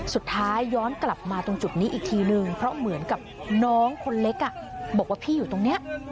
สุดท้ายย้อนกลับมาตรงจุดนี้อีกทีนึงเพราะเหมือนกับน้องคนเล็กบอกว่าพี่อยู่ตรงนี้